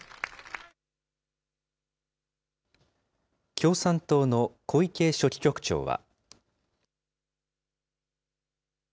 共産党の小池書記局長は。